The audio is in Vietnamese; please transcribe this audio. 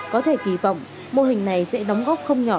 có thể kỳ vọng mô hình này sẽ đóng góp không nhỏ